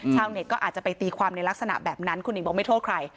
ชาวเน็ตก็อาจจะไปตีความในลักษณะแบบนั้นคุณหญิงบอกไม่โทษใคร